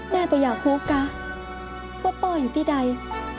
แม่ก็อยากคุ้กว่าว่าพ่ออยู่ที่ไหน